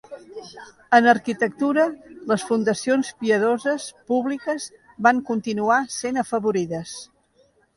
En arquitectura, les fundacions piadoses públiques van continuar sent afavorides.